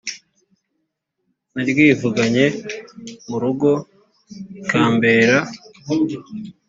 naryivuganye mu rugo ikambere